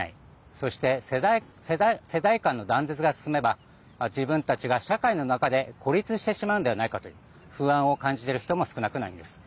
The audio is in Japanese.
そして、世代間の断絶が進めば自分たちが、社会の中で孤立してしまうのではないかという不安を感じている人が少なくないんです。